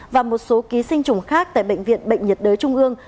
và một số ký sinh trùng khác tại bệnh viện bệnh nhiệt đới trung ương